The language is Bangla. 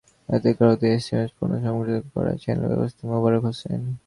এতে গ্রাহকদের এসএমই পণ্য সম্পর্কে পরিচিতি করান চ্যানেল ব্যবস্থাপক মোবারক হোসেন।